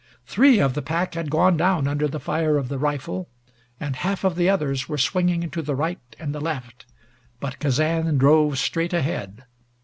Three of the pack had gone down under the fire of the rifle, and half of the others were swinging to the right and the left. But Kazan drove straight ahead.